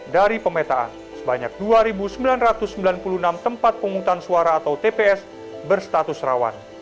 dari pemetaan sebanyak dua sembilan ratus sembilan puluh enam tempat penghutang suara atau tps berstatus rawan